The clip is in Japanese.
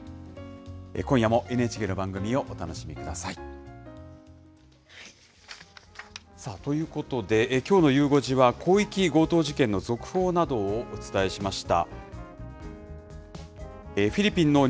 今夜もＮＨＫの番組をお楽しみください。ということで、きょうのゆう５時は、広域強盗事件の続報などをお伝えしました。